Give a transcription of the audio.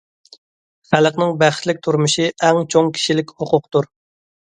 خەلقنىڭ بەختلىك تۇرمۇشى ئەڭ چوڭ كىشىلىك ھوقۇقتۇر.